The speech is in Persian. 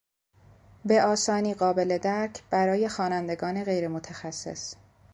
به آسانی قابل درک برای خوانندگان غیرمتخصص